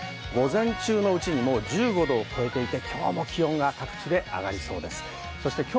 午前中のうちに１５度を超えていて、気温が各地で上がりそうです。